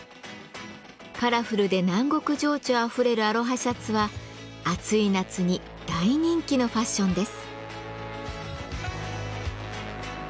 カラフルで南国情緒あふれるアロハシャツは暑い夏に大人気のファッションです。